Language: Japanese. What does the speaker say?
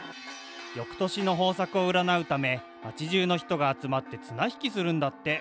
よくとしのほうさくをうらなうためまちじゅうのひとが集まって綱引きするんだって。